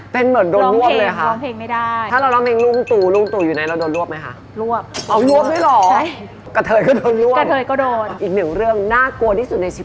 เต้นเหมือนโดนรวบเลยนะคะ